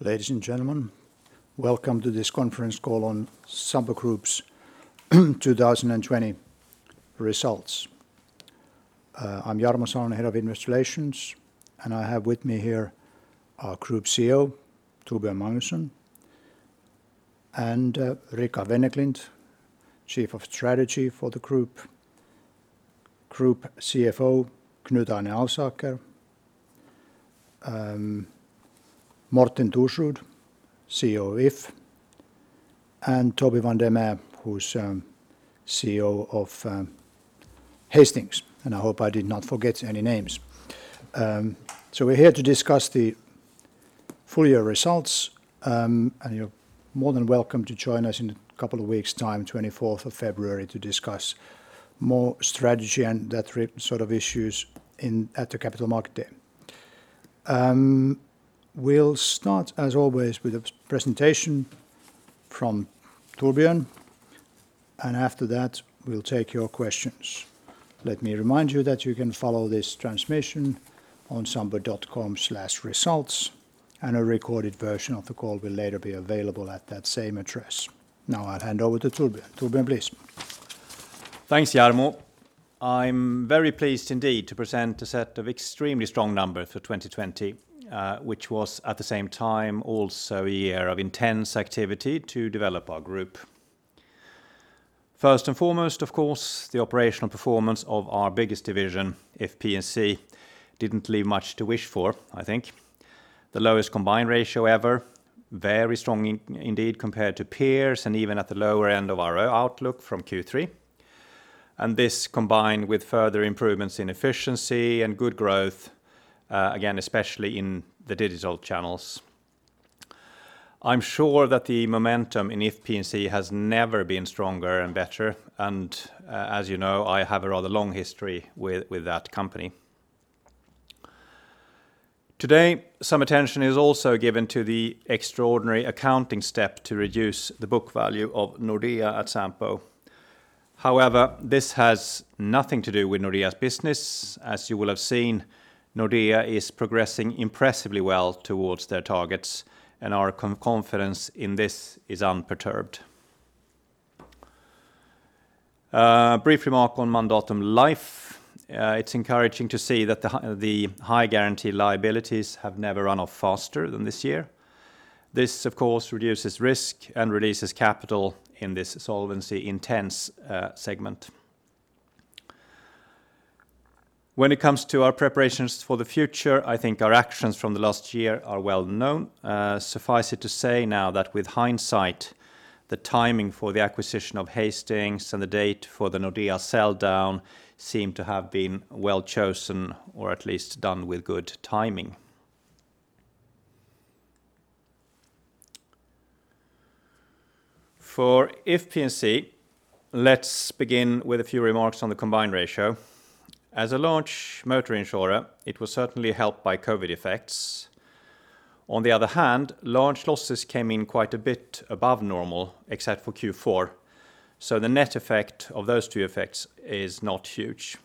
Ladies and gentlemen, welcome to this conference call on Sampo Group's 2020 results. I'm Jarmo Salonen, Head of Investor Relations, and I have with me here our Group CEO, Torbjörn Magnusson, and Ricard Wennerklint, Chief of Strategy for the Group, Group CFO, Knut Arne Alsaker, Morten Thorsrud, CEO of If, and Toby van der Meer, who's CEO of Hastings. I hope I did not forget any names. We're here to discuss the full year results, and you're more than welcome to join us in a couple of weeks time, 24th of February, to discuss more strategy and that sort of issues at the Capital Market Day. We'll start, as always, with a presentation from Torbjörn, and after that, we'll take your questions. Let me remind you that you can follow this transmission on sampo.com/results, and a recorded version of the call will later be available at that same address. Now I'll hand over to Torbjörn. Torbjörn, please. Thanks, Jarmo. I'm very pleased indeed to present a set of extremely strong numbers for 2020, which was, at the same time, also a year of intense activity to develop our group. First and foremost, of course, the operational performance of our biggest division, If P&C, didn't leave much to wish for, I think. The lowest combined ratio ever, very strong indeed compared to peers, and even at the lower end of our outlook from Q3. This combined with further improvements in efficiency and good growth, again, especially in the digital channels. I'm sure that the momentum in If P&C has never been stronger and better, and as you know, I have a rather long history with that company. Today, some attention is also given to the extraordinary accounting step to reduce the book value of Nordea at Sampo. However, this has nothing to do with Nordea's business. As you will have seen, Nordea is progressing impressively well towards their targets. Our confidence in this is unperturbed. A brief remark on Mandatum Life. It's encouraging to see that the high guarantee liabilities have never run off faster than this year. This, of course, reduces risk and releases capital in this solvency-intense segment. When it comes to our preparations for the future, I think our actions from the last year are well-known. Suffice it to say now that with hindsight, the timing for the acquisition of Hastings and the date for the Nordea sell-down seem to have been well-chosen or at least done with good timing. For If P&C, let's begin with a few remarks on the combined ratio. As a large motor insurer, it was certainly helped by COVID effects. On the other hand, large losses came in quite a bit above normal, except for Q4, so the net effect of those two effects is not huge.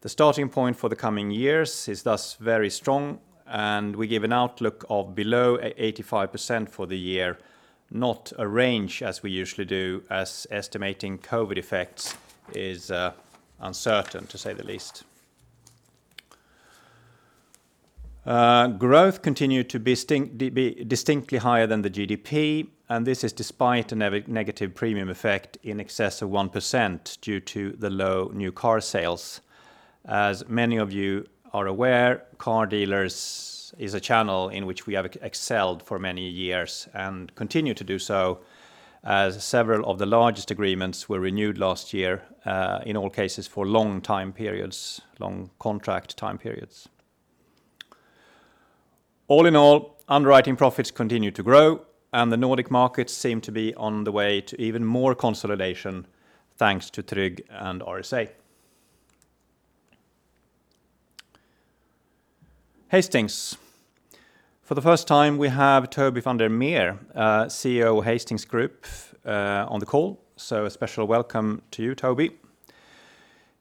The starting point for the coming years is thus very strong, and we give an outlook of below 85% for the year, not a range as we usually do, as estimating COVID effects is uncertain to say the least. Growth continued to be distinctly higher than the GDP, and this is despite a negative premium effect in excess of 1% due to the low new car sales. As many of you are aware, car dealers is a channel in which we have excelled for many years and continue to do so as several of the largest agreements were renewed last year, in all cases, for long time periods, long contract time periods. All in all, underwriting profits continued to grow, and the Nordic markets seem to be on the way to even more consolidation, thanks to Tryg and RSA. Hastings. For the first time, we have Toby van der Meer, CEO of Hastings Group, on the call, so a special welcome to you, Toby.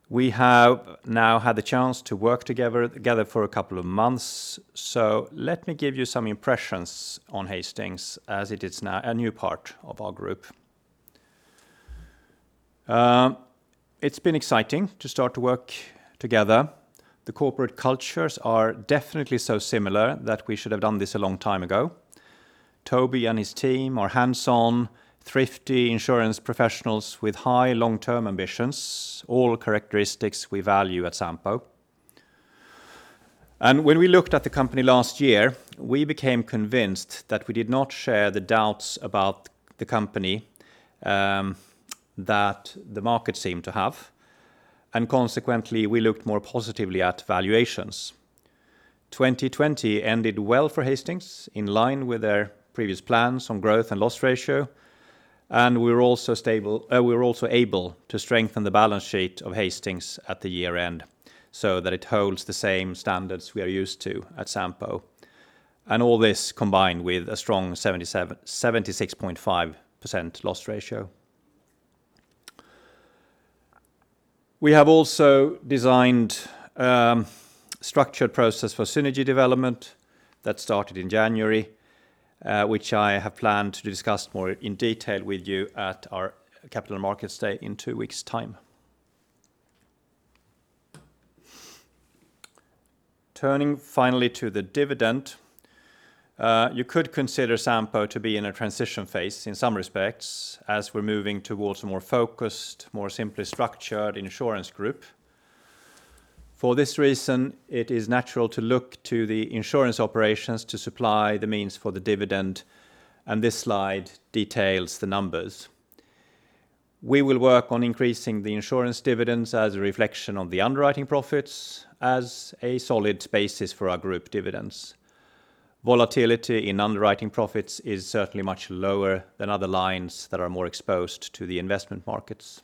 We have now had the chance to work together for a couple of months, so let me give you some impressions on Hastings as it is now a new part of our group. It's been exciting to start to work together. The corporate cultures are definitely so similar that we should have done this a long time ago. Toby and his team are hands-on, thrifty insurance professionals with high long-term ambitions, all characteristics we value at Sampo. When we looked at the company last year, we became convinced that we did not share the doubts about the company that the market seemed to have, and consequently, we looked more positively at valuations. 2020 ended well for Hastings, in line with their previous plans on growth and loss ratio, and we were also able to strengthen the balance sheet of Hastings at the year-end so that it holds the same standards we are used to at Sampo, and all this combined with a strong 76.5% loss ratio. We have also designed a structured process for synergy development that started in January, which I have planned to discuss more in detail with you at our Capital Markets Day in two weeks' time. Turning finally to the dividend. You could consider Sampo to be in a transition phase in some respects, as we're moving towards a more focused, more simply structured insurance group. For this reason, it is natural to look to the insurance operations to supply the means for the dividend, and this slide details the numbers. We will work on increasing the insurance dividends as a reflection of the underwriting profits as a solid basis for our group dividends. Volatility in underwriting profits is certainly much lower than other lines that are more exposed to the investment markets.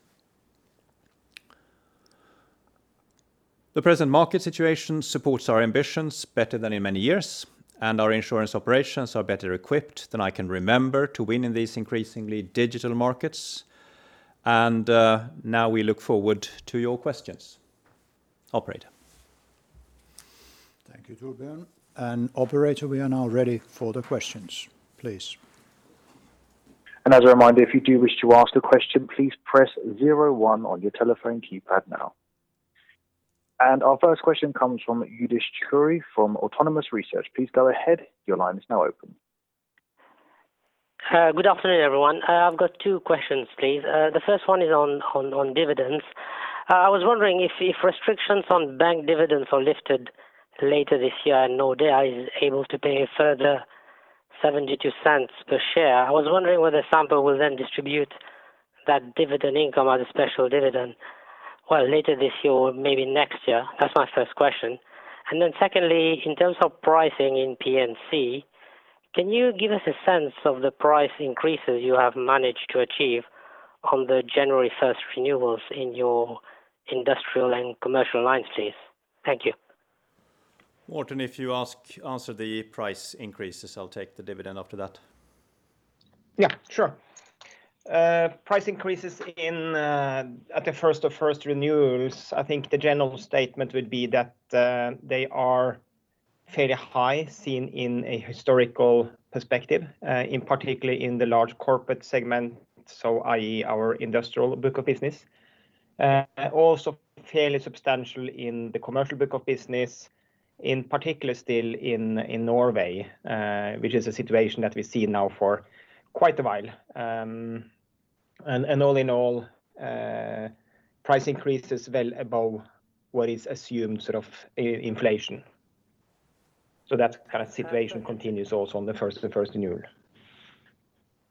The present market situation supports our ambitions better than in many years, and our insurance operations are better equipped than I can remember to win in these increasingly digital markets. Now we look forward to your questions. Operator. Thank you, Torbjörn. Operator, we are now ready for the questions. Please. As a reminder, if you do wish to ask a question, please press zero one on your telephone keypad now. Our first question comes from Youdish Chicooree from Autonomous Research. Please go ahead, your line is now open. Good afternoon, everyone. I've got two questions, please. The first one is on dividends. I was wondering if restrictions on bank dividends are lifted later this year and Nordea is able to pay a further 0.72 per share. I was wondering whether Sampo will then distribute that dividend income as a special dividend, well, later this year or maybe next year. That's my first question. Secondly, in terms of pricing in P&C, can you give us a sense of the price increases you have managed to achieve on the January 1st renewals in your Industrial and Commercial lines, please? Thank you. Morten, if you answer the price increases, I'll take the dividend after that. Yeah, sure. Price increases at the first of first renewals, I think the general statement would be that they are fairly high seen in a historical perspective, in particular in the large corporate segment, so i.e. our Industrial book of business. Also fairly substantial in the Commercial book of business, in particular still in Norway, which is a situation that we've seen now for quite a while. All in all, price increases well above what is assumed sort of inflation. That kind of situation continues also on the first renewal.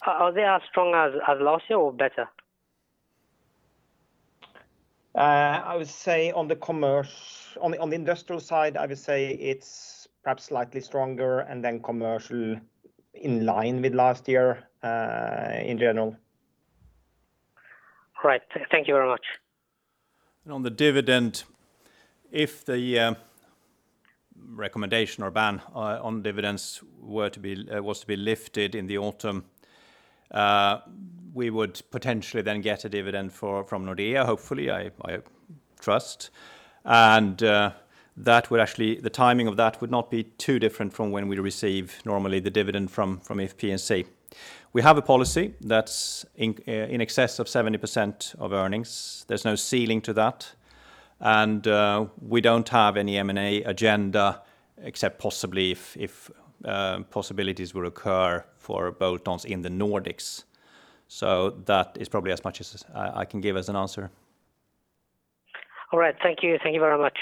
Are they as strong as last year or better? On the Industrial side, I would say it's perhaps slightly stronger, and then Commercial in line with last year, in general. Great. Thank you very much. On the dividend, if the recommendation or ban on dividends was to be lifted in the autumn, we would potentially then get a dividend from Nordea, hopefully, I trust. The timing of that would not be too different from when we receive normally the dividend from If P&C. We have a policy that's in excess of 70% of earnings. There's no ceiling to that, and we don't have any M&A agenda except possibly if possibilities will occur for bolt-ons in the Nordics. That is probably as much as I can give as an answer. All right. Thank you. Thank you very much.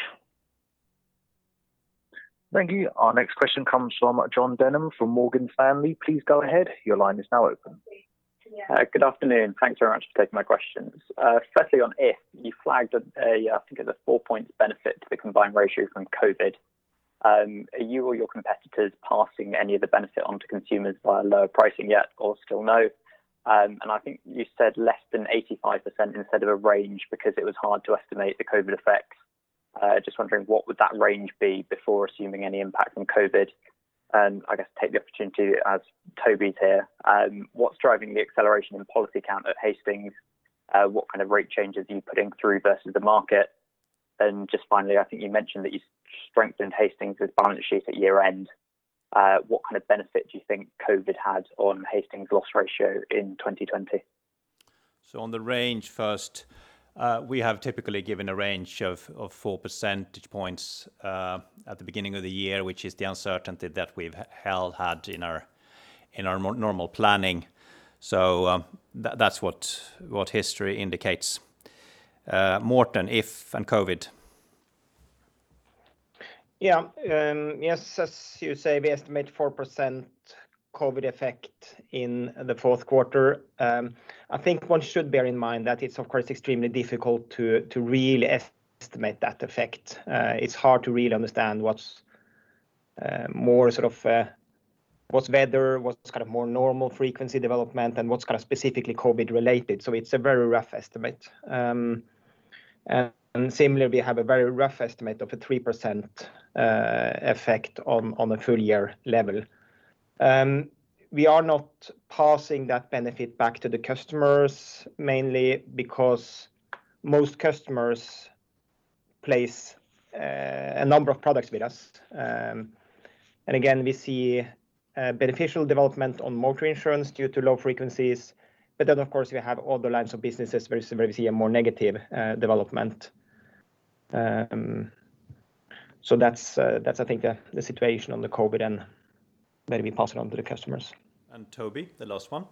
Thank you. Our next question comes from Jon Denham from Morgan Stanley. Please go ahead. Your line is now open. Good afternoon. Thanks very much for taking my questions. Firstly, on If. You flagged, I think it's a 4-point benefit to the combined ratio from COVID. Are you or your competitors passing any of the benefit onto consumers via lower pricing yet, or still no? I think you said less than 85% instead of a range because it was hard to estimate the COVID effects. Just wondering what would that range be before assuming any impact from COVID? I guess take the opportunity, as Toby's here, what's driving the acceleration in policy count at Hastings? What kind of rate changes are you putting through versus the market? Just finally, I think you mentioned that you strengthened Hastings' balance sheet at year-end. What kind of benefit do you think COVID had on Hastings' loss ratio in 2020? On the range first, we have typically given a range of 4 percentage points at the beginning of the year, which is the uncertainty that we've held had in our normal planning. That's what history indicates. Morten, If and COVID. Yes, as you say, we estimate 4% COVID effect in the fourth quarter. I think one should bear in mind that it's of course extremely difficult to really estimate that effect. It's hard to really understand what's better, what's more normal frequency development, and what's specifically COVID-related. It's a very rough estimate. Similarly, we have a very rough estimate of a 3% effect on the full-year level. We are not passing that benefit back to the customers, mainly because most customers place a number of products with us. Again, we see beneficial development on motor insurance due to low frequencies. Of course, we have other lines of businesses where we see a more negative development. That's I think the situation on the COVID and whether we pass it on to the customers. Toby, the last one.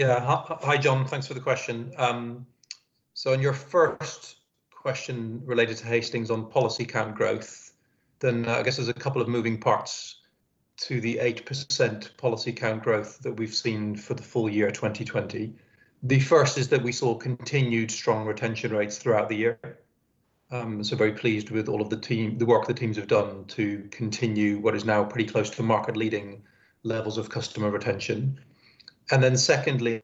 Hi, Jon. Thanks for the question. On your first question related to Hastings on policy count growth, then I guess there's a couple of moving parts to the 8% policy count growth that we've seen for the full year 2020. The first is that we saw continued strong retention rates throughout the year. Very pleased with all of the work the teams have done to continue what is now pretty close to market-leading levels of customer retention. Secondly,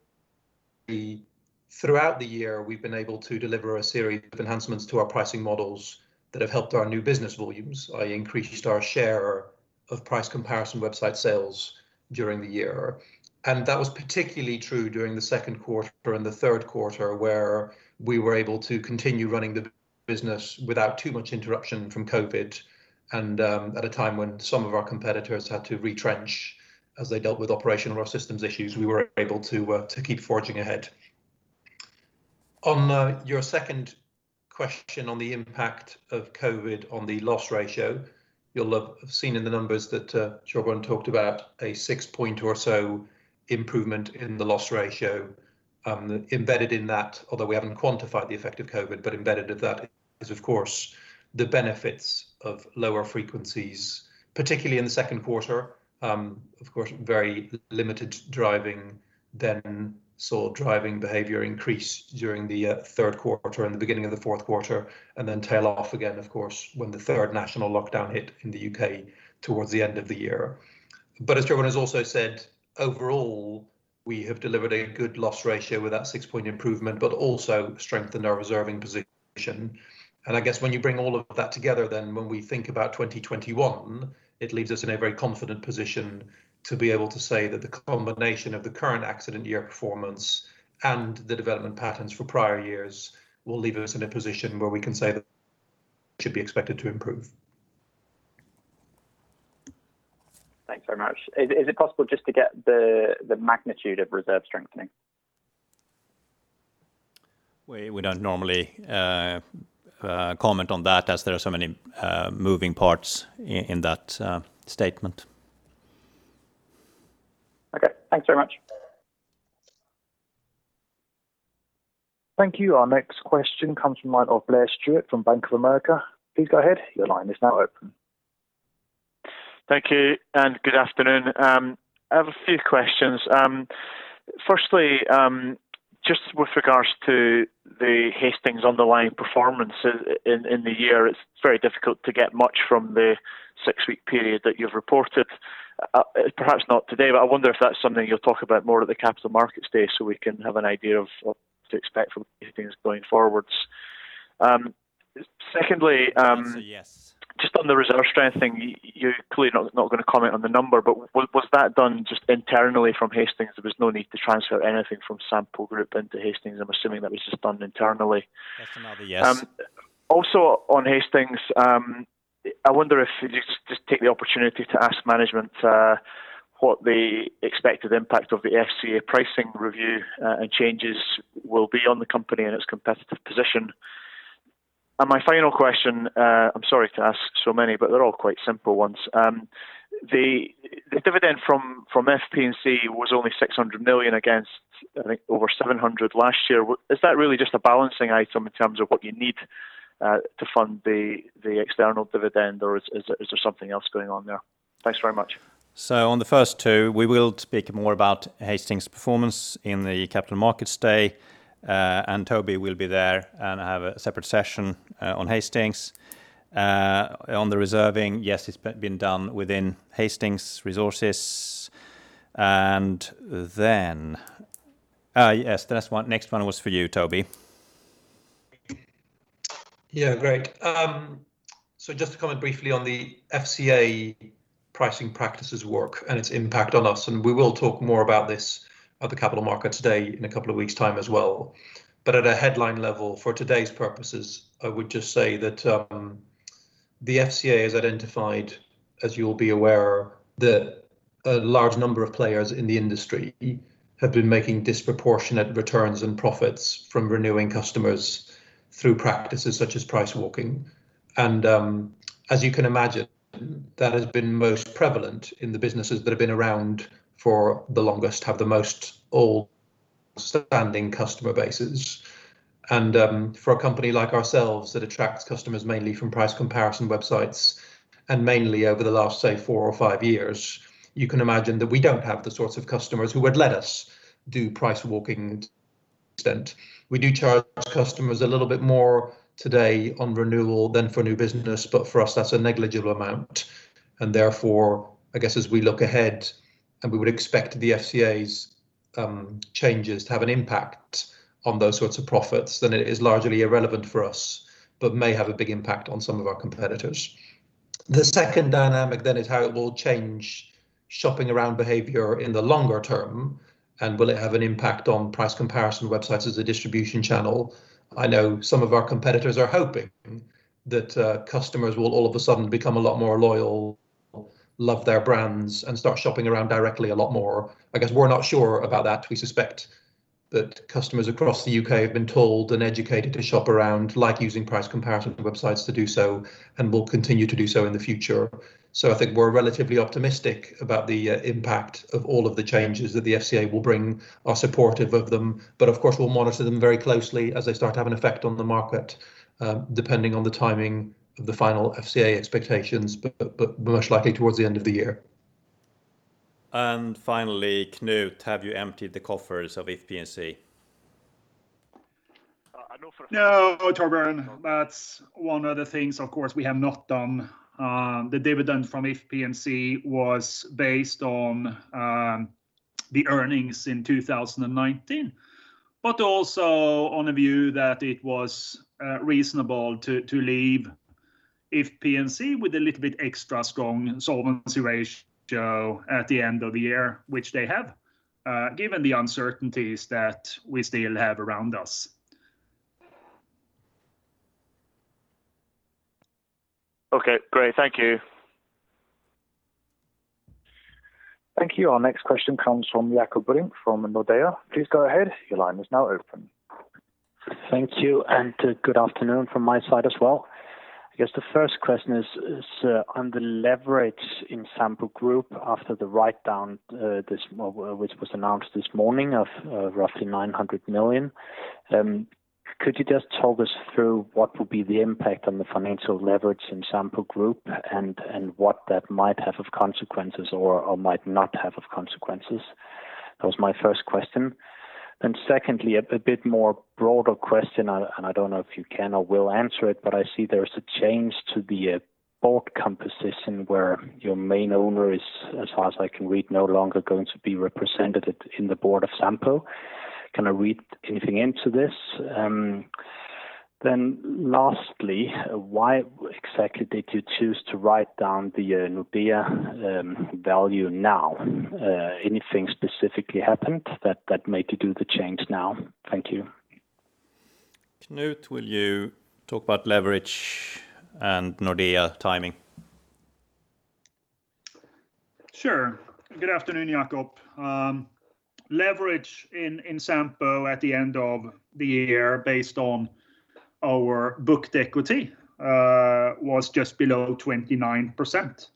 throughout the year, we've been able to deliver a series of enhancements to our pricing models that have helped our new business volumes. I increased our share of price comparison website sales during the year, and that was particularly true during the second quarter and the third quarter, where we were able to continue running the business without too much interruption from COVID. At a time when some of our competitors had to retrench as they dealt with operational or systems issues, we were able to keep forging ahead. On your second question on the impact of COVID on the loss ratio, you'll have seen in the numbers that Torbjörn talked about a 6-point or so improvement in the loss ratio. Embedded in that, although we haven't quantified the effect of COVID, embedded in that is of course the benefits of lower frequencies, particularly in the second quarter. Very limited driving then saw driving behavior increase during the third quarter and the beginning of the fourth quarter, then tail off again, of course, when the third national lockdown hit in the U.K. towards the end of the year. As Torbjörn has also said, overall, we have delivered a good loss ratio with that 6-point improvement, but also strengthened our reserving position. I guess when you bring all of that together, then when we think about 2021, it leaves us in a very confident position to be able to say that the combination of the current accident year performance and the development patterns for prior years will leave us in a position where we can say that it should be expected to improve. Thanks very much. Is it possible just to get the magnitude of reserve strengthening? We don't normally comment on that as there are so many moving parts in that statement. Okay. Thanks very much. Thank you. Our next question comes from the line of Blair Stewart from Bank of America. Please go ahead. Thank you and good afternoon. I have a few questions. Firstly, just with regards to the Hastings underlying performance in the year, it's very difficult to get much from the six-week period that you've reported. Perhaps not today, but I wonder if that's something you'll talk about more at the Capital Markets Day so we can have an idea of what to expect from Hastings going forwards. Secondly. That's a yes. On the reserve strengthening, you're clearly not going to comment on the number, was that done just internally from Hastings? There was no need to transfer anything from Sampo Group into Hastings. I'm assuming that was just done internally. That's another yes. Also on Hastings, I wonder if you'd just take the opportunity to ask management what the expected impact of the FCA pricing review and changes will be on the company and its competitive position. My final question, I'm sorry to ask so many, but they're all quite simple ones. The dividend from If P&C was only 600 million against, I think, over 700 million last year. Is that really just a balancing item in terms of what you need to fund the external dividend, or is there something else going on there? Thanks very much. On the first two, we will speak more about Hastings performance in the Capital Markets Day, and Toby will be there and have a separate session on Hastings. On the reserving, yes, it's been done within Hastings Resources. Then, yes, the next one was for you, Toby. Yeah. Great. Just to comment briefly on the FCA pricing practices work and its impact on us, and we will talk more about this at the Capital Markets Day in a couple of weeks' time as well. At a headline level, for today's purposes, I would just say that the FCA has identified, as you'll be aware, that a large number of players in the industry have been making disproportionate returns and profits from renewing customers through practices such as price walking. As you can imagine, that has been most prevalent in the businesses that have been around for the longest, have the most outstanding customer bases. For a company like ourselves that attracts customers mainly from price comparison websites and mainly over the last, say, four or five years, you can imagine that we don't have the sorts of customers who would let us do price walking to that extent. We do charge customers a little bit more today on renewal than for new business, but for us, that's a negligible amount, and therefore, I guess as we look ahead and we would expect the FCA's changes to have an impact on those sorts of profits, then it is largely irrelevant for us, but may have a big impact on some of our competitors. The second dynamic then is how it will change shopping around behavior in the longer term, and will it have an impact on price comparison websites as a distribution channel? I know some of our competitors are hoping that customers will all of a sudden become a lot more loyal, love their brands, and start shopping around directly a lot more. I guess we're not sure about that. We suspect that customers across the U.K. have been told and educated to shop around, like using price comparison websites to do so, and will continue to do so in the future. I think we're relatively optimistic about the impact of all of the changes that the FCA will bring, are supportive of them. Of course, we'll monitor them very closely as they start to have an effect on the market, depending on the timing of the final FCA expectations, but much likely towards the end of the year. Finally, Knut, have you emptied the coffers of If P&C? No, Torbjörn. That's one of the things, of course, we have not done. The dividend from If P&C was based on the earnings in 2019, but also on a view that it was reasonable to leave If P&C with a little bit extra strong solvency ratio at the end of the year, which they have, given the uncertainties that we still have around us. Okay, great. Thank you. Thank you. Our next question comes from Jakob Brink from Nordea. Please go ahead. Thank you. Good afternoon from my side as well. I guess the first question is on the leverage in Sampo Group after the write-down, which was announced this morning of roughly 900 million. Could you just talk us through what will be the impact on the financial leverage in Sampo Group and what that might have of consequences or might not have of consequences? That was my first question. Secondly, a bit more broader question, I don't know if you can or will answer it, but I see there's a change to the board composition where your main owner is, as far as I can read, no longer going to be represented in the board of Sampo. Can I read anything into this? Lastly, why exactly did you choose to write down the Nordea value now? Anything specifically happened that made you do the change now? Thank you. Knut, will you talk about leverage and Nordea timing? Sure. Good afternoon, Jakob. Leverage in Sampo at the end of the year based on our booked equity was just below 29%.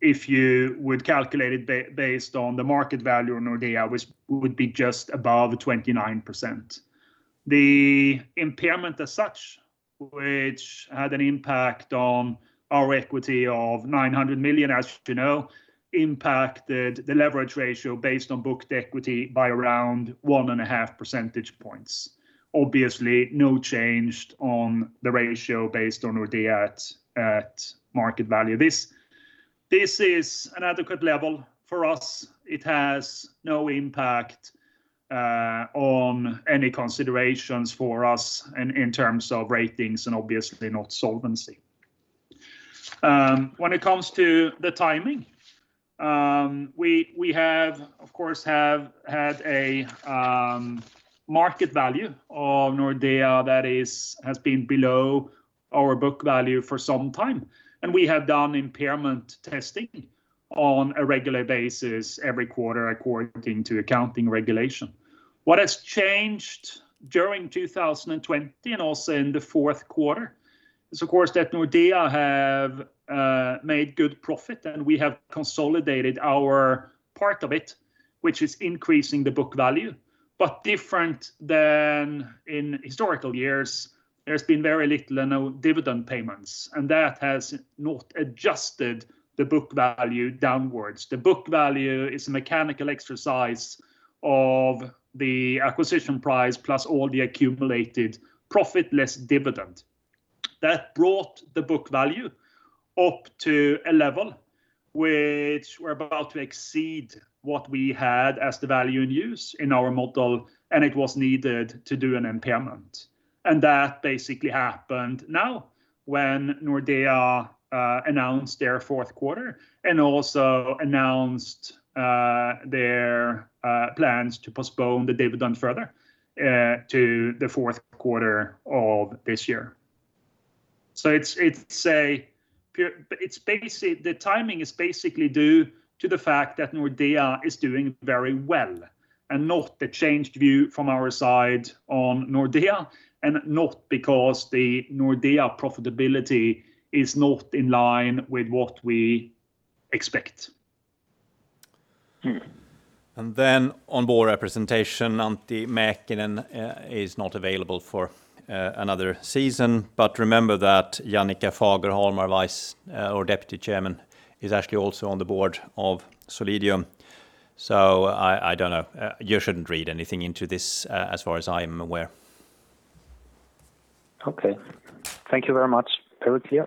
If you would calculate it based on the market value of Nordea, would be just above 29%. The impairment as such, which had an impact on our equity of 900 million, as you know, impacted the leverage ratio based on booked equity by around 1.5 percentage points. Obviously, no change on the ratio based on Nordea at market value. This is an adequate level for us. It has no impact on any considerations for us in terms of ratings and obviously not solvency. When it comes to the timing, we of course have had a market value of Nordea that has been below our book value for some time. We have done impairment testing on a regular basis every quarter according to accounting regulation. What has changed during 2020 and also in the fourth quarter is, of course, that Nordea have made good profit, and we have consolidated our part of it, which is increasing the book value. Different than in historical years, there's been very little and no dividend payments, and that has not adjusted the book value downwards. The book value is a mechanical exercise of the acquisition price plus all the accumulated profit less dividend. That brought the book value up to a level which we're about to exceed what we had as the value in use in our model, and it was needed to do an impairment. That basically happened now when Nordea announced their fourth quarter and also announced their plans to postpone the dividend further to the fourth quarter of this year. The timing is basically due to the fact that Nordea is doing very well and not the changed view from our side on Nordea and not because the Nordea profitability is not in line with what we expect. On board representation, Antti Mäkinen is not available for another season. Remember that Jannica Fagerholm, our Deputy Chairman, is actually also on the board of Solidium. I don't know. You shouldn't read anything into this, as far as I am aware. Okay. Thank you very much. Over to you.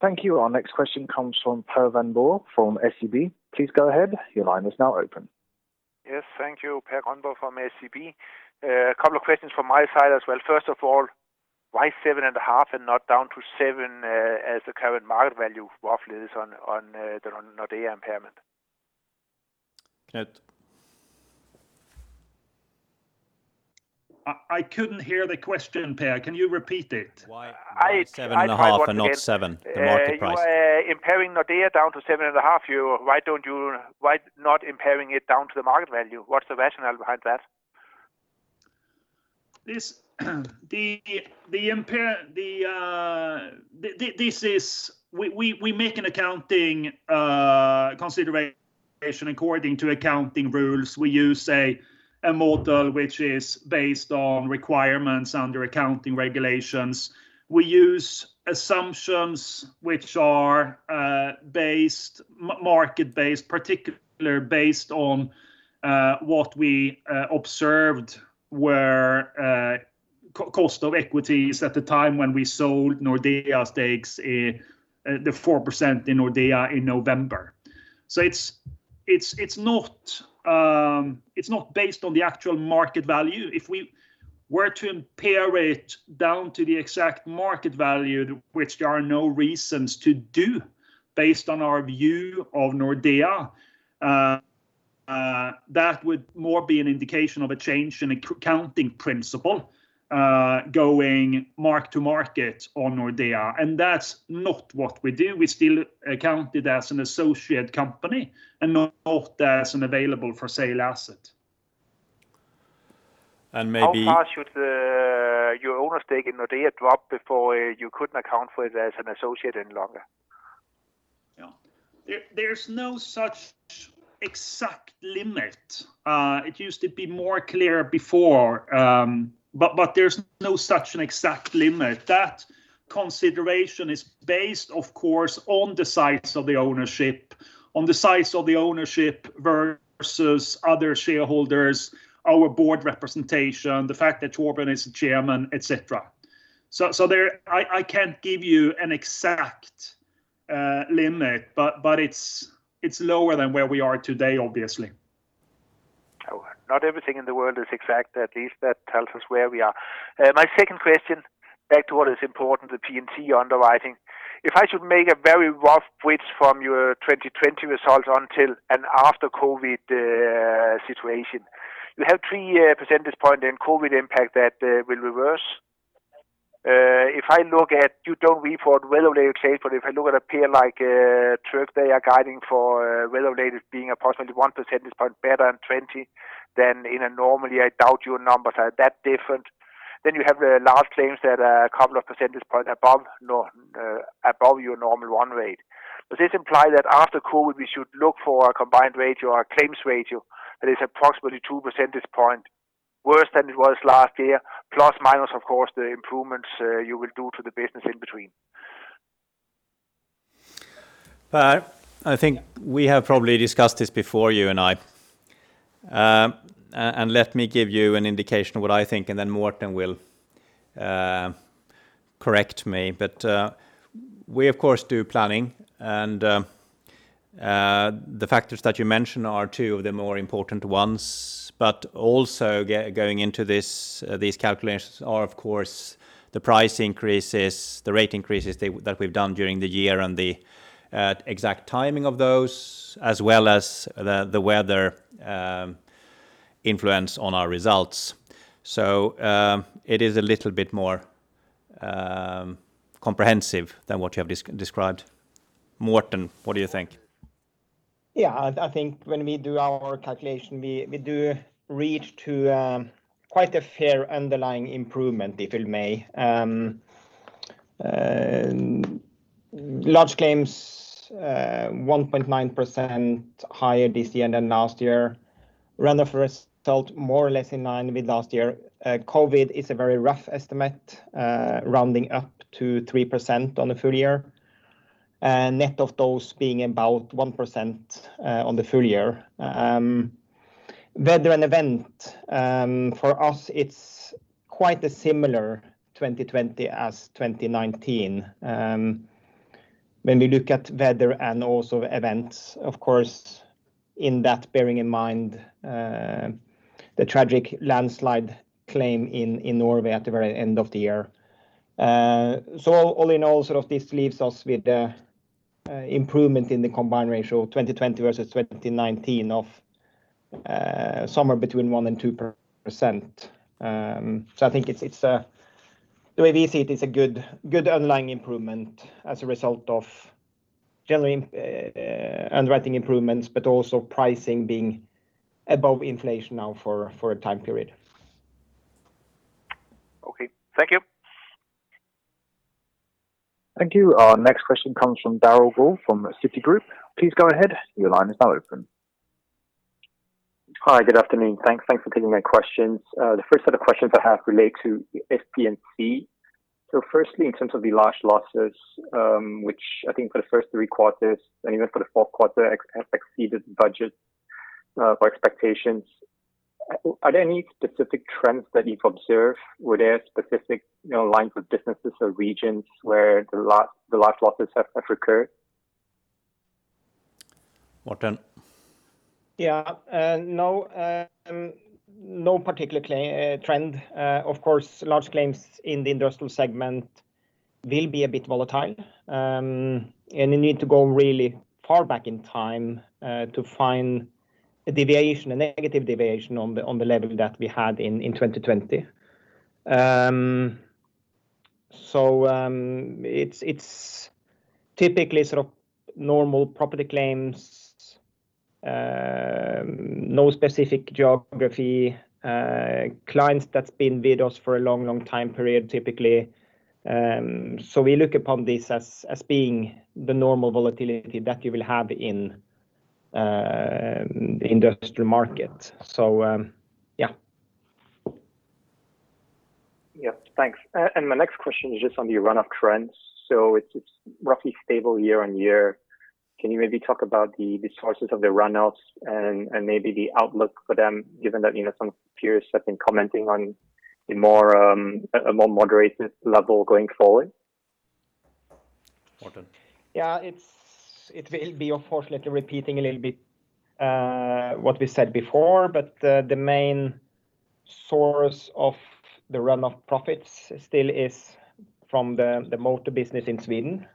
Thank you. Our next question comes from Per Grønborg from SEB. Please go ahead. Your line is now open. Yes, thank you. Per Grønborg from SEB. A couple of questions from my side as well. First of all, why 7.5 and not down to 7 as the current market value roughly is on the Nordea impairment? Knut. I couldn't hear the question, Per. Can you repeat it? I- Why EUR 7.5 and not 7, the market price? You are impairing Nordea down to 7.5 euro. Why not impairing it down to the market value? What's the rationale behind that? We make an accounting consideration according to accounting rules. We use a model which is based on requirements under accounting regulations. We use assumptions which are market-based, particular based on what we observed were cost of equities at the time when we sold Nordea stakes, the 4% in Nordea in November. It's not based on the actual market value. If we were to impair it down to the exact market value, which there are no reasons to do based on our view of Nordea, that would more be an indication of a change in accounting principle, going mark-to-market on Nordea, and that's not what we do. We still account it as an associate company and not as an available-for-sale asset. And maybe. How far should your owner stake in Nordea drop before you couldn't account for it as an associate any longer? Yeah. There is no such exact limit. It used to be more clear before, but there is no such an exact limit. That consideration is based, of course, on the size of the ownership versus other shareholders, our board representation, the fact that Torbjörn is the chairman, et cetera. I cannot give you an exact limit, but it is lower than where we are today, obviously. All right. Not everything in the world is exact. At least that tells us where we are. My second question, back to what is important, the P&C underwriting. If I should make a very rough switch from your 2020 results until an after-COVID situation, you have 3 percentage point in COVID impact that will reverse. You don't report run-off, but if I look at a peer like Tryg, they are guiding for run-off being approximately 1 percentage point better than 2020. In a normally, I doubt your numbers are that different. You have the large claims that are a couple of percentage points above your normal 1 percentage point rate. This imply that after COVID, we should look for a combined ratio or claims ratio that is approximately 2 percentage point worse than it was last year, plus minus, of course, the improvements you will do to the business in between. Per, I think we have probably discussed this before, you and I. Let me give you an indication of what I think, and then Morten will correct me. We, of course, do planning, and the factors that you mentioned are two of the more important ones, but also going into these calculations are, of course, the price increases, the rate increases that we've done during the year and the exact timing of those, as well as the weather influence on our results. It is a little bit more comprehensive than what you have described. Morten, what do you think? Yeah, I think when we do our calculation, we do reach to quite a fair underlying improvement, if I may. Large claims, 1.9% higher this year than last year. Run-off result, more or less in line with last year. COVID is a very rough estimate, rounding up to 3% on the full year. Net of those being about 1% on the full year. Weather and event, for us, it's quite a similar 2020 as 2019. When we look at weather and also events, of course, in that bearing in mind, the tragic landslide claim in Norway at the very end of the year. All in all, this leaves us with the improvement in the combined ratio of 2020 versus 2019 of somewhere between 1% and 2%. I think the way we see it is a good underlying improvement as a result of underwriting improvements, but also pricing being above inflation now for a time period. Okay. Thank you. Thank you. Our next question comes from Derald Goh from Citigroup. Please go ahead. Hi, good afternoon. Thanks for taking my questions. The first set of questions I have relate to the P&C. Firstly, in terms of the large losses, which I think for the first three quarters and even for the fourth quarter, have exceeded budget or expectations, are there any specific trends that you've observed? Were there specific lines of businesses or regions where the large losses have recurred? Morten? Yeah. No particular trend. Of course, large claims in the Industrial segment will be a bit volatile, and you need to go really far back in time to find a negative deviation on the level that we had in 2020. It's typically normal property claims, no specific geography, clients that's been with us for a long time period, typically. We look upon this as being the normal volatility that you will have in the Industrial market. Yeah. Yeah. Thanks. My next question is just on the run-off trends. It's roughly stable year-over-year. Can you maybe talk about the sources of the run-offs and maybe the outlook for them, given that some peers have been commenting on a more moderated level going forward? Morten? Yeah. It will be, unfortunately, repeating a little bit what we said before, but the main source of the run-off profits still is from the motor business in Sweden,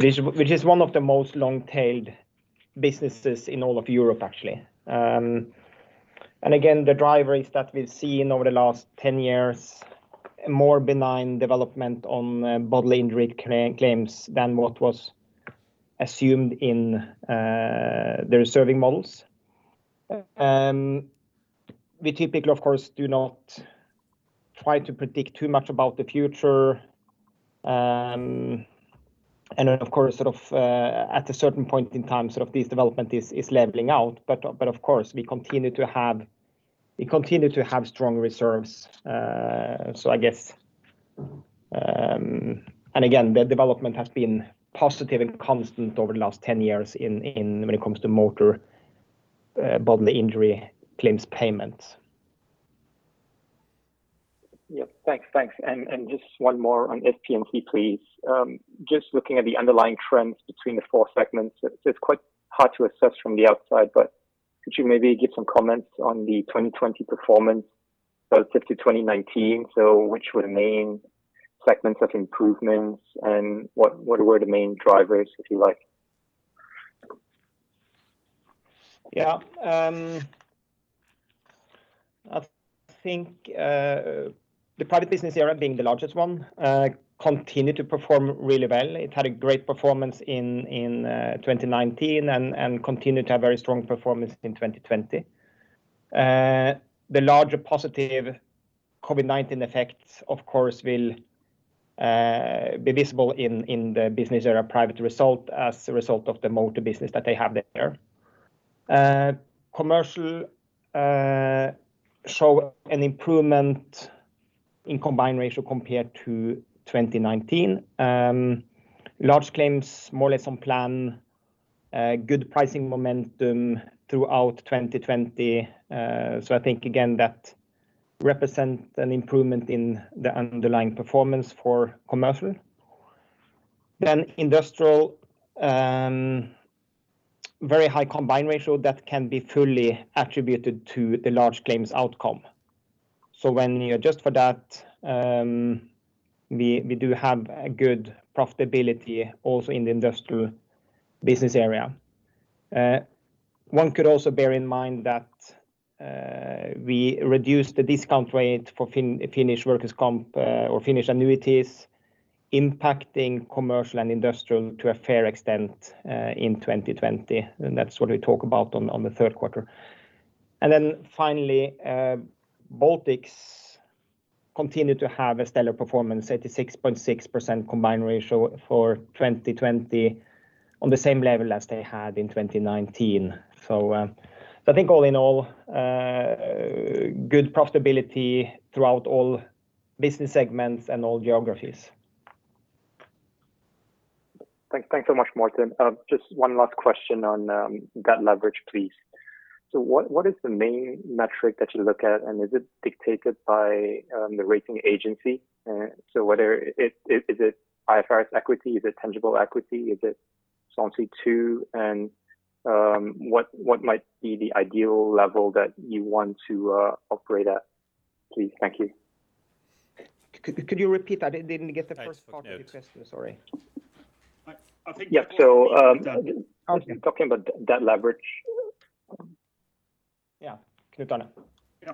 which is one of the most long-tailed businesses in all of Europe, actually. Again, the driver is that we've seen over the last 10 years, a more benign development on bodily injury claims than what was assumed in the reserving models. We typically, of course, do not try to predict too much about the future. Of course, at a certain point in time, this development is leveling out. Of course, we continue to have strong reserves. Again, the development has been positive and constant over the last 10 years when it comes to motor bodily injury claims payments. Yep. Thanks. Just one more on If P&C, please. Just looking at the underlying trends between the four segments, it's quite hard to assess from the outside, but could you maybe give some comments on the 2020 performance relative to 2019? Which were the main segments of improvements and what were the main drivers, if you like? Yeah. I think the Private Business Area being the largest one continued to perform really well. It had a great performance in 2019 and continued to have very strong performance in 2020. The larger positive COVID-19 effects, of course, will be visible in the Business Area Private result as a result of the motor business that they have there. Commercial show an improvement in combined ratio compared to 2019. Large claims more or less on plan, good pricing momentum throughout 2020. I think, again, that represent an improvement in the underlying performance for Commercial. Industrial, very high combined ratio that can be fully attributed to the large claims outcome. When you adjust for that, we do have a good profitability also in the Industrial Business Area. One could also bear in mind that we reduced the discount rate for Finnish workers' comp or Finnish annuities impacting Commercial and Industrial to a fair extent, in 2020. That's what we talk about on the third quarter. Finally, Baltics continued to have a stellar performance, 86.6% combined ratio for 2020 on the same level as they had in 2019. I think all in all, good profitability throughout all business segments and all geographies. Thanks so much, Morten. Just one last question on debt leverage, please. What is the main metric that you look at, and is it dictated by the rating agency? Is it IFRS equity? Is it tangible equity? Is it Solvency II? What might be the ideal level that you want to operate at, please? Thank you. Could you repeat that? I didn't get the first part of the question, sorry. Yeah. I'm talking about debt leverage. Yeah. Knut Arne. Yeah.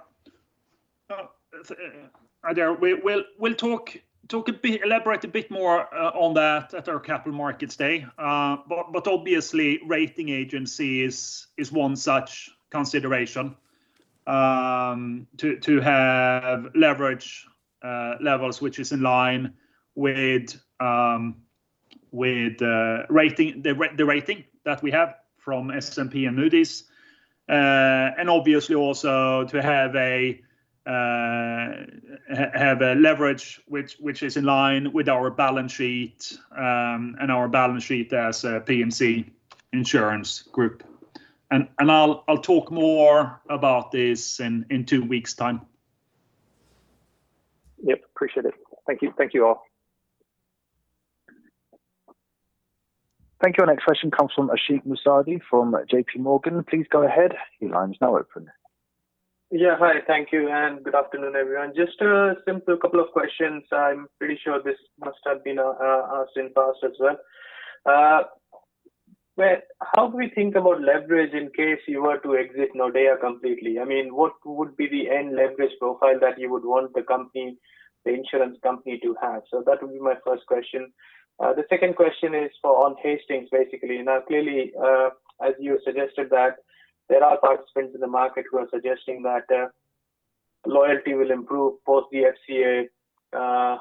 Hi, Derald, we'll elaborate a bit more on that at our Capital Markets Day. Obviously rating agency is one such consideration, to have leverage levels which is in line with the rating that we have from S&P and Moody's. Obviously also to have a leverage which is in line with our balance sheet, and our balance sheet as a P&C Insurance Group. I'll talk more about this in two weeks time. Yep, appreciate it. Thank you all. Thank you. Our next question comes from Ashik Musaddi from JPMorgan. Please go ahead. Your line's now open. Yeah. Hi. Thank you. Good afternoon, everyone. Just a simple couple of questions. I'm pretty sure this must have been asked in past as well. How do we think about leverage in case you were to exit Nordea completely? What would be the end leverage profile that you would want the insurance company to have? That would be my first question. The second question is for on Hastings, basically. Now, clearly, as you suggested that there are participants in the market who are suggesting that loyalty will improve post the FCA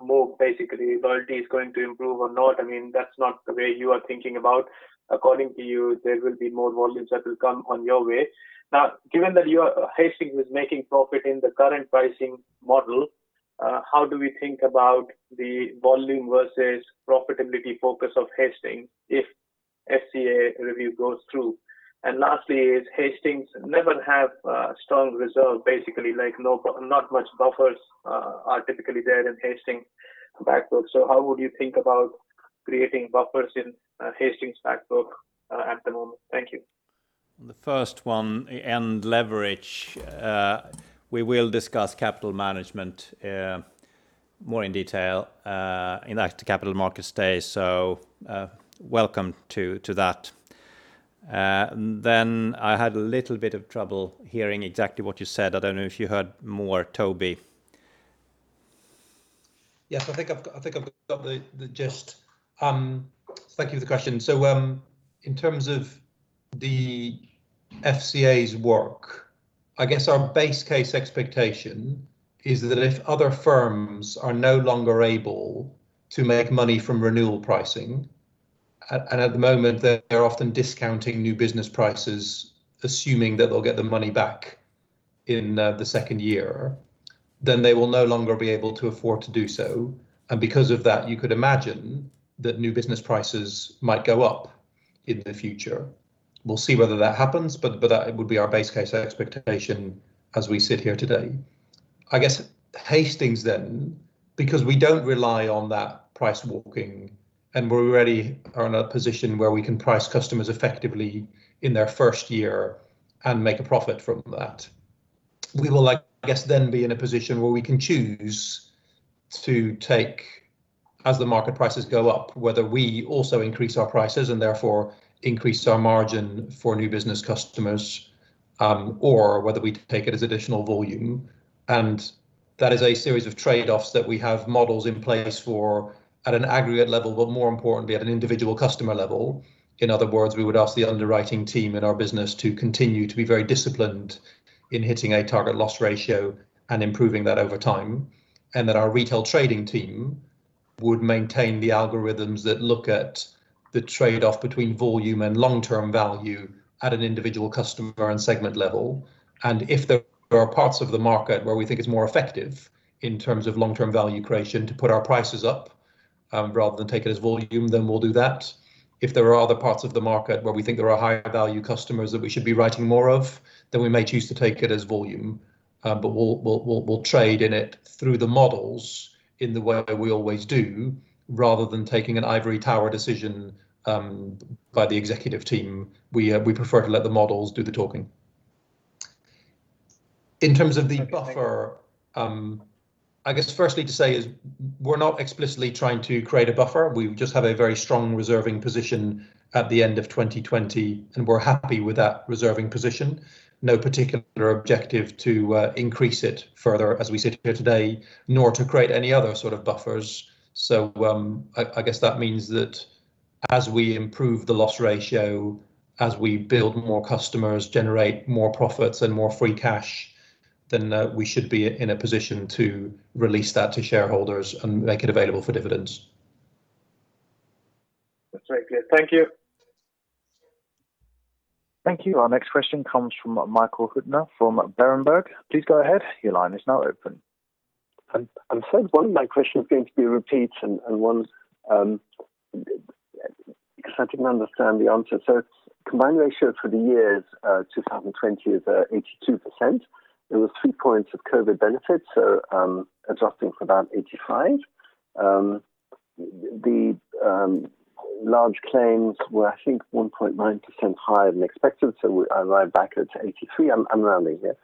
move. Basically, loyalty is going to improve or not, that's not the way you are thinking about. According to you, there will be more volumes that will come on your way. Given that Hastings is making profit in the current pricing model, how do we think about the volume versus profitability focus of Hastings if FCA review goes through? Lastly, Hastings never have strong reserve, basically not much buffers are typically there in Hastings back books. How would you think about creating buffers in Hastings back book at the moment? Thank you. The first one, end leverage, we will discuss capital management more in detail in the Capital Markets Day. Welcome to that. I had a little bit of trouble hearing exactly what you said. I don't know if you heard more, Toby. Yes, I think I've got the gist. Thank you for the question. In terms of the FCA's work, I guess our base case expectation is that if other firms are no longer able to make money from renewal pricing, and at the moment they're often discounting new business prices, assuming that they'll get the money back in the second year, then they will no longer be able to afford to do so. Because of that, you could imagine that new business prices might go up in the future. We'll see whether that happens, but that would be our base case expectation as we sit here today. I guess Hastings then, because we don't rely on that price walking, and we're already are in a position where we can price customers effectively in their first year and make a profit from that, we will, I guess then be in a position where we can choose to take as the market prices go up, whether we also increase our prices and therefore increase our margin for new business customers, or whether we take it as additional volume. That is a series of trade-offs that we have models in place for at an aggregate level, but more importantly at an individual customer level. In other words, we would ask the underwriting team in our business to continue to be very disciplined in hitting a target loss ratio and improving that over time, and that our retail trading team would maintain the algorithms that look at the trade-off between volume and long-term value at an individual customer and segment level. If there are parts of the market where we think it's more effective in terms of long-term value creation to put our prices up, rather than take it as volume, then we'll do that. If there are other parts of the market where we think there are higher value customers that we should be writing more of, then we may choose to take it as volume. We'll trade in it through the models in the way we always do, rather than taking an ivory tower decision by the executive team. We prefer to let the models do the talking. In terms of the buffer, I guess firstly to say is we're not explicitly trying to create a buffer. We just have a very strong reserving position at the end of 2020, and we're happy with that reserving position. No particular objective to increase it further as we sit here today, nor to create any other sort of buffers. I guess that means that as we improve the loss ratio, as we build more customers, generate more profits and more free cash, then we should be in a position to release that to shareholders and make it available for dividends. That's very clear. Thank you. Thank you. Our next question comes from Michael Huttner from Berenberg. Please go ahead. I'm afraid one of my question is going to be a repeat and one, because I didn't understand the answer. Combined ratio for the year 2020 is 82%. There was 3 points of COVID benefits. Adjusting for that, 85%. The large claims were, I think, 1.9% higher than expected, so arrived back at 83%. I'm rounding here.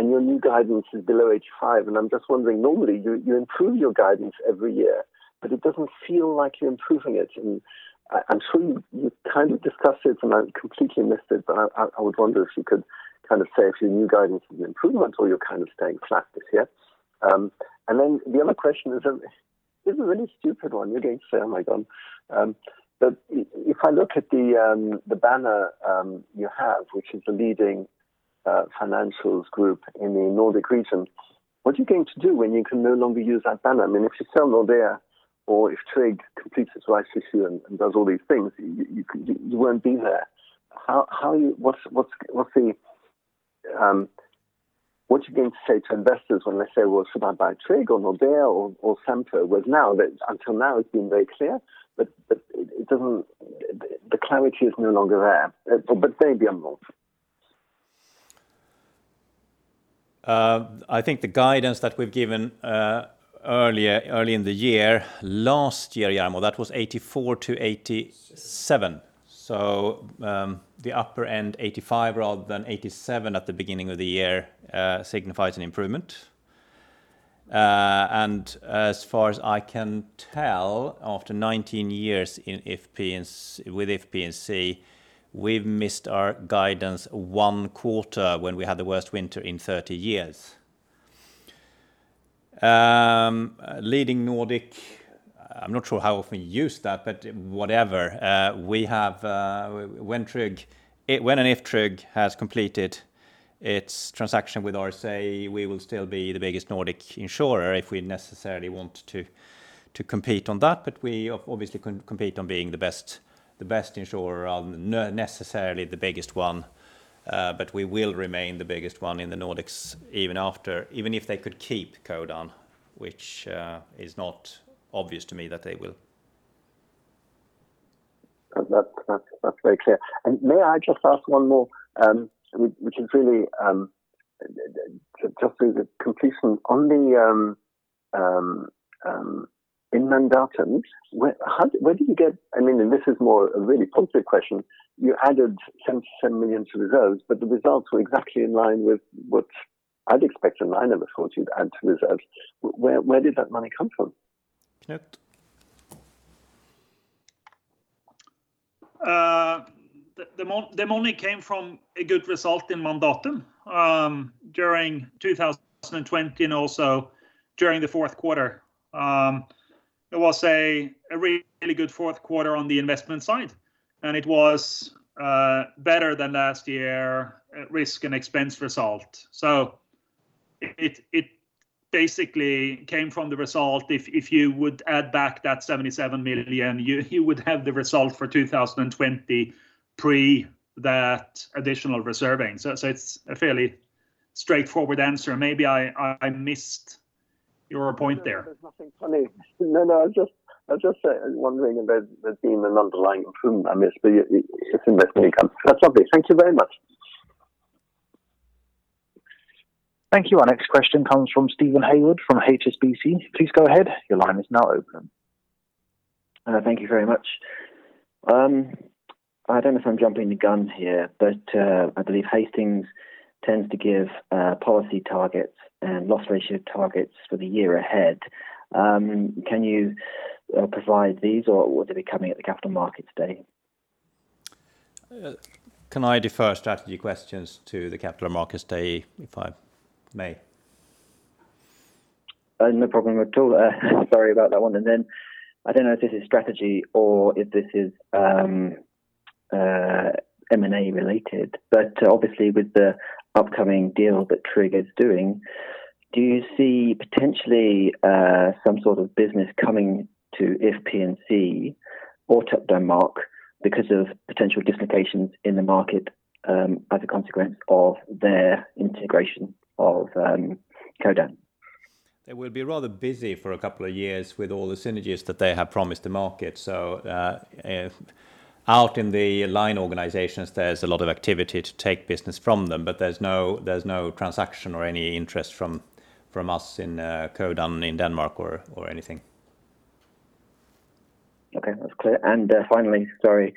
Your new guidance is below 85%, and I'm just wondering, normally you improve your guidance every year, but it doesn't feel like you're improving it. I'm sure you kind of discussed it, and I completely missed it, but I would wonder if you could kind of say if your new guidance is an improvement or you're kind of staying flat this year. The other question is a really stupid one. You're going to say, "Oh my God." If I look at the banner you have, which is the leading financials group in the Nordic region? What are you going to do when you can no longer use that banner? If you sell Nordea or if Tryg completes its licensing and does all these things, you won't be there. What are you going to say to investors when they say, "Well should I buy Tryg or Nordea or Sampo?" Whereas until now it's been very clear. The clarity is no longer there. Maybe I'm wrong. I think the guidance that we've given early in the year, last year, Jarmo, that was 84%-87%. The upper end 85% rather than 87% at the beginning of the year signifies an improvement. As far as I can tell, after 19 years with If P&C, we've missed our guidance one quarter when we had the worst winter in 30 years. Leading Nordic, I'm not sure how often you use that, but whatever. When and if Tryg has completed its transaction with RSA, we will still be the biggest Nordic insurer if we necessarily want to compete on that, but we obviously compete on being the best insurer, not necessarily the biggest one. We will remain the biggest one in the Nordics, even if they could keep Codan, which is not obvious to me that they will. That's very clear. May I just ask one more, which is really just as a completion. In Mandatum, where did you get, and this is more a really positive question, you added 77 million to reserves, but the results were exactly in line with what I'd expect in line of the funds you'd add to reserves. Where did that money come from? Knut. The money came from a good result in Mandatum during 2020, and also during the fourth quarter. It was a really good fourth quarter on the investment side, and it was better than last year at risk and expense result. It basically came from the result. If you would add back that 77 million, you would have the result for 2020 pre that additional reserving. It's a fairly straightforward answer. Maybe I missed your point there. There's nothing funny. No, I was just wondering if there'd been an underlying improvement. I missed the investment income. That's lovely. Thank you very much. Thank you. Our next question comes from Steven Haywood from HSBC. Please go ahead. Thank you very much. I don't know if I'm jumping the gun here, but, I believe Hastings tends to give policy targets and loss ratio targets for the year ahead. Can you provide these, or will they be coming at the Capital Markets Day? Can I defer strategy questions to the Capital Markets Day, if I may? No problem at all. Sorry about that one. I don't know if this is strategy or if this is M&A-related, but obviously with the upcoming deal that Tryg is doing, do you see potentially some sort of business coming to If P&C or to Denmark because of potential dislocations in the market, as a consequence of their integration of Codan? They will be rather busy for a couple of years with all the synergies that they have promised the market. Out in the line organizations, there's a lot of activity to take business from them, but there's no transaction or any interest from us in Codan in Denmark or anything. Okay, that's clear. Sorry.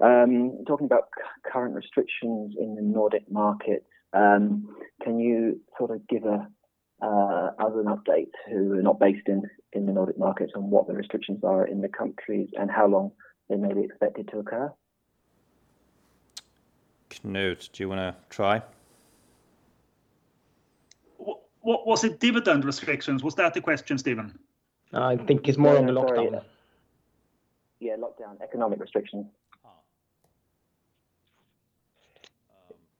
Talking about current restrictions in the Nordic markets, can you sort of give us an update who are not based in the Nordic markets on what the restrictions are in the countries and how long they may be expected to occur? Knut, do you want to try? Was it dividend restrictions? Was that the question, Steven? I think it's more on the lockdown. Yeah, lockdown, economic restrictions.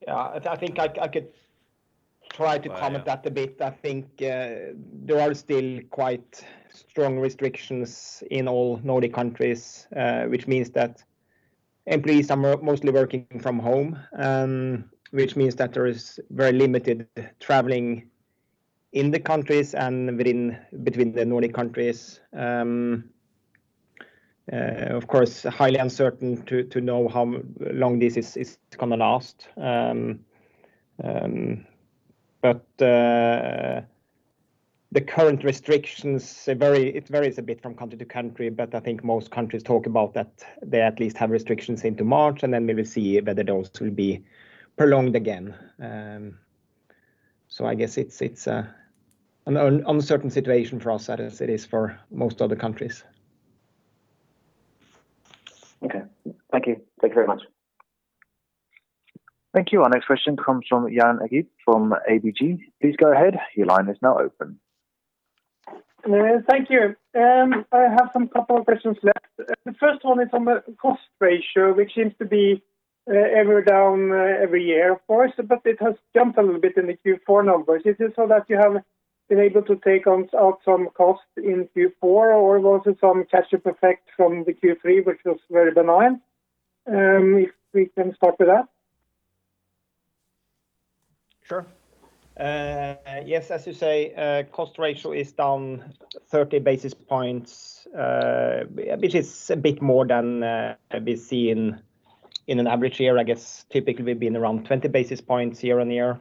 Yeah, I think I could try to comment that a bit. I think there are still quite strong restrictions in all Nordic countries, which means that employees are mostly working from home, which means that there is very limited traveling in the countries and between the Nordic countries. Of course, highly uncertain to know how long this is going to last. The current restrictions, it varies a bit from country to country, but I think most countries talk about that they at least have restrictions into March, and then we will see whether those will be prolonged again. I guess it's an uncertain situation for us, as it is for most other countries. Okay. Thank you. Thank you very much. Thank you. Our next question comes from Jan Erik from ABG. Please go ahead. Thank you. I have some couple of questions left. The first one is on the cost ratio, which seems to be ever down every year, of course, but it has jumped a little bit in the Q4 numbers. Is it so that you have been able to take out some cost in Q4, or was it some catch-up effect from the Q3, which was very benign? If we can start with that. Sure. Yes, as you say, cost ratio is down 30 basis points, which is a bit more than we see in an average year, I guess typically being around 20 basis points year-on-year.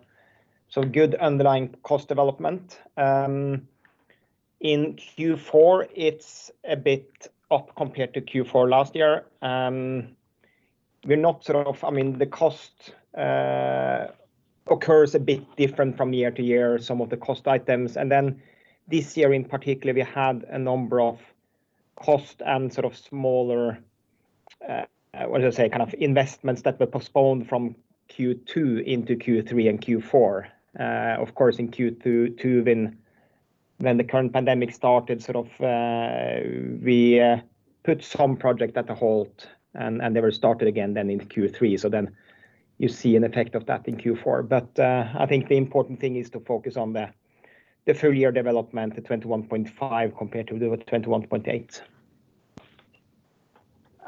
Good underlying cost development. In Q4, it's a bit up compared to Q4 last year. The cost occurs a bit different from year to year, some of the cost items. This year in particular, we had a number of cost and smaller, what do you say, kind of investments that were postponed from Q2 into Q3 and Q4. Of course, in Q2 when the current pandemic started, we put some project at a halt, and they were started again then in Q3. You see an effect of that in Q4. I think the important thing is to focus on the full-year development at 21.5% compared to the 21.8%.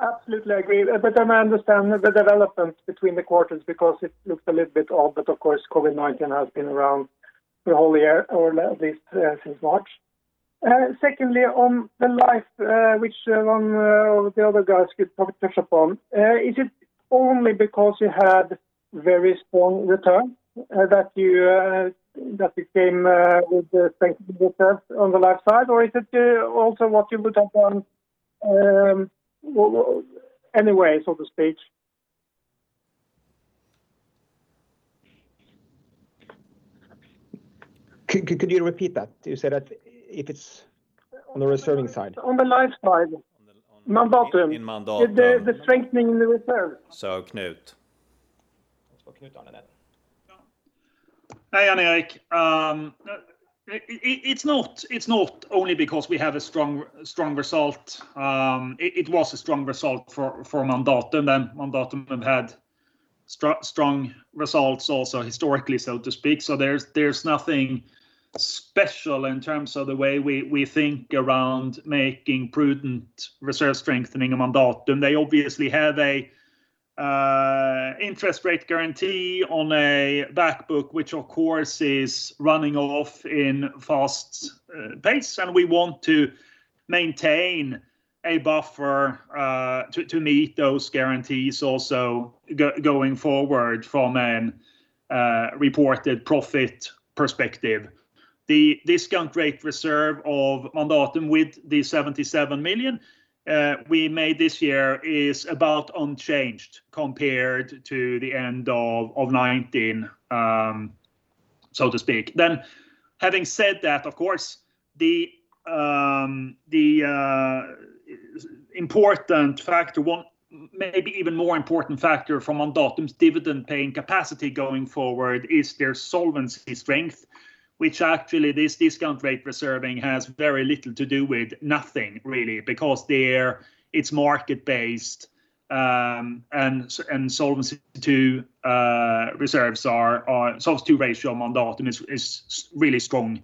Absolutely agree. I understand the development between the quarters because it looks a little bit odd, but of course, COVID-19 has been around the whole year, or at least since March. Secondly, on the Life, which one of the other guys could probably touch upon, is it only because you had very strong return that you came with the strong return on the Life side, or is it also what you would have done anyway, so to speak? Could you repeat that? You said that if it's on the reserving side? On the Life side. Mandatum. In Mandatum. The strengthening in the reserve. Knut. Let's put Knut on it. Yeah. Hi, Jan Erik. It's not only because we have a strong result. It was a strong result for Mandatum. Mandatum have had strong results also historically, so to speak. There's nothing special in terms of the way we think around making prudent reserve strengthening in Mandatum. They obviously have a interest rate guarantee on a back book which, of course, is running off in fast pace, and we want to maintain a buffer to meet those guarantees also going forward from a reported profit perspective. The discount rate reserve of Mandatum with the 77 million we made this year is about unchanged compared to the end of 2019, so to speak. Having said that, of course, the important factor, maybe even more important factor from Mandatum's dividend paying capacity going forward is their solvency strength, which actually this discount rate reserving has very little to do with, nothing really because it's market based and Solvency II ratio of Mandatum is really strong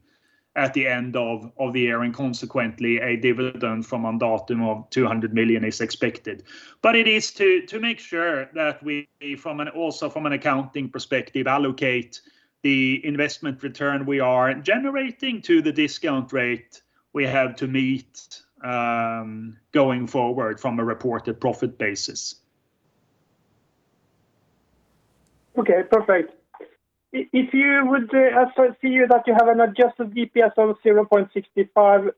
at the end of the year and consequently, a dividend from Mandatum of 200 million is expected. It is to make sure that we, also from an accounting perspective, allocate the investment return we are generating to the discount rate we have to meet going forward from a reported profit basis. Okay, perfect. I see that you have an adjusted EPS of 0.65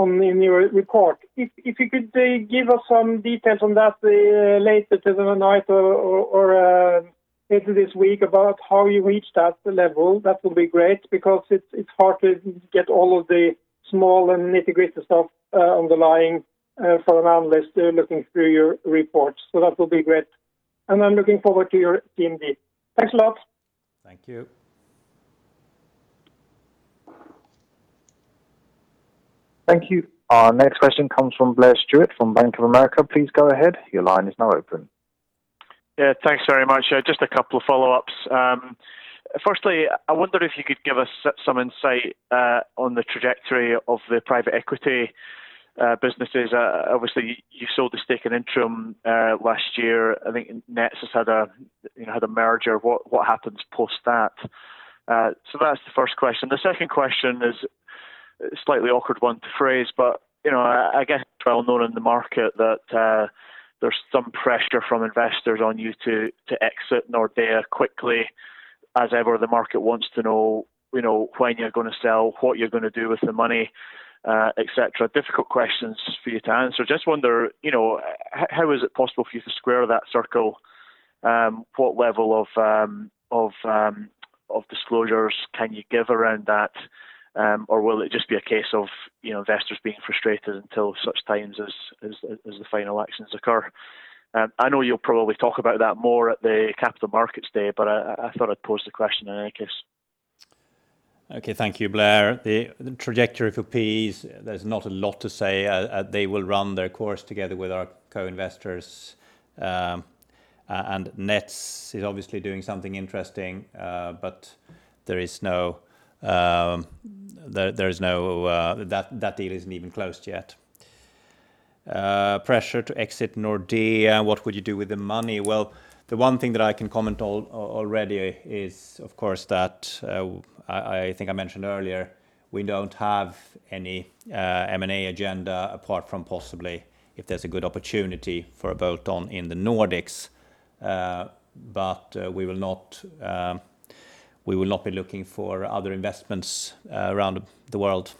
in your report. If you could give us some details on that later tonight or later this week about how you reached that level, that would be great because it's hard to get all of the small and nitty-gritty stuff underlying for an analyst looking through your report. That will be great. I'm looking forward to your. Thanks a lot. Thank you. Thank you. Our next question comes from Blair Stewart from Bank of America. Please go ahead. Your line is now open. Yeah. Thanks very much. Firstly, I wonder if you could give us some insight on the trajectory of the private equity businesses. Obviously, you sold the stake in Intrum last year. I think Nets has had a merger. What happens post that? That's the first question. The second question is a slightly awkward one to phrase, but I guess it's well known in the market that there's some pressure from investors on you to exit Nordea quickly. As ever, the market wants to know when you're going to sell, what you're going to do with the money, et cetera. Difficult questions for you to answer. Just wonder how is it possible for you to square that circle? What level of disclosures can you give around that? Will it just be a case of investors being frustrated until such times as the final actions occur? I know you'll probably talk about that more at the Capital Markets Day, but I thought I'd pose the question in any case. Okay. Thank you, Blair. The trajectory for PE, there's not a lot to say. They will run their course together with our co-investors. Nets is obviously doing something interesting, but that deal isn't even closed yet. Pressure to exit Nordea, what would you do with the money? Well, the one thing that I can comment already is, of course, that I think I mentioned earlier, we don't have any M&A agenda apart from possibly if there's a good opportunity for a bolt-on in the Nordics. We will not be looking for other investments around the world.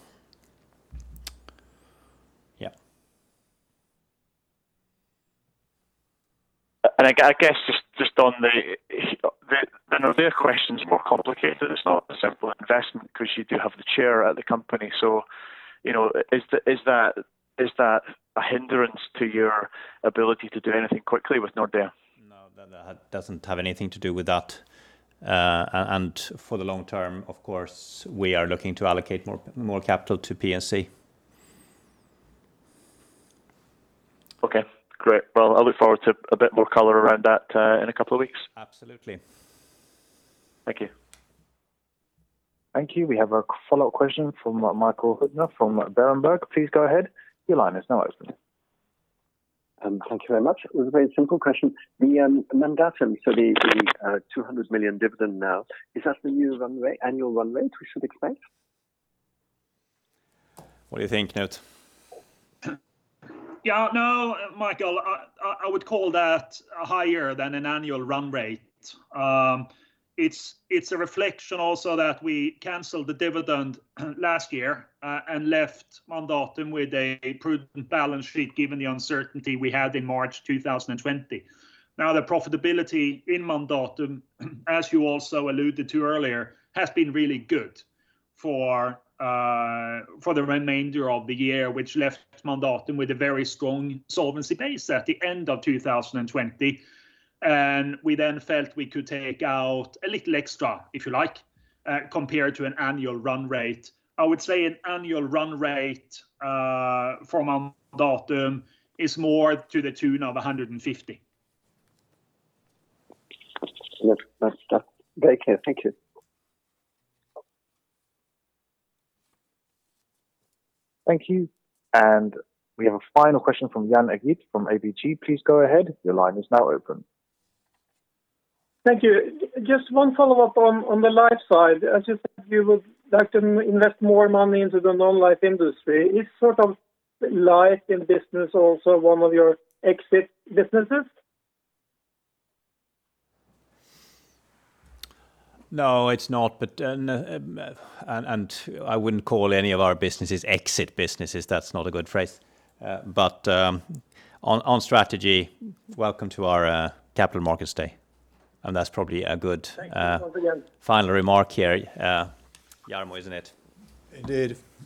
I guess just on the Nordea question, it's more complicated. It's not a simple investment because you do have the chair at the company. Is that a hindrance to your ability to do anything quickly with Nordea? No, that doesn't have anything to do with that. For the long term, of course, we are looking to allocate more capital to P&C. Okay, great. I look forward to a bit more color around that in a couple of weeks. Absolutely. Thank you. Thank you. We have a follow-up question from Michael Huttner from Berenberg. Please go ahead. Your line is now open. Thank you very much. It was a very simple question. The Mandatum, so the 200 million dividend now, is that the new annual run-off rate we should expect? What do you think, Knut? Yeah. No, Michael, I would call that higher than an annual run rate. It's a reflection also that we canceled the dividend last year, and left Mandatum with a prudent balance sheet given the uncertainty we had in March 2020. Now, the profitability in Mandatum, as you also alluded to earlier, has been really good for the remainder of the year, which left Mandatum with a very strong solvency base at the end of 2020. We then felt we could take out a little extra, if you like, compared to an annual run rate. I would say an annual run rate for Mandatum is more to the tune of 150. Yes. That's very clear. Thank you. Thank you. We have a final question from Jan Erik from ABG. Please go ahead. Your line is now open. Thank you. Just one follow-up on the Life side, as you said you would like to invest more money into the non-life industry. Is Life in business also one of your exit businesses? No, it's not. I wouldn't call any of our businesses exit businesses. That's not a good phrase. On strategy, welcome to our Capital Markets Day, and that's probably a good. Thank you once again. Final remark here, Jarmo, isn't it?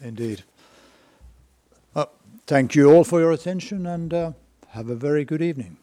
Indeed. Thank you all for your attention, and have a very good evening.